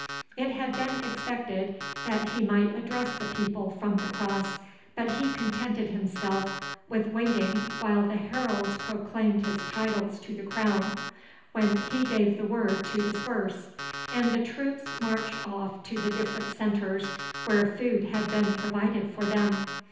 It had been expected that he might address the people from the cross, but he contented himself with waiting while the heralds proclaimed his titles to the Crown, when he gave the word to disperse, and the troops marched off to the different centres where food had been provided for them.